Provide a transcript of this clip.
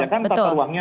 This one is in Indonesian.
ya kan tata uangnya